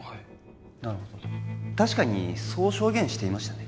なるほど確かにそう証言していましたね